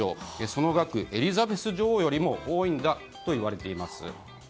その額、エリザベス女王よりも多いんだといわれています。